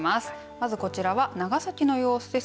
まずこちらは長崎の様子です。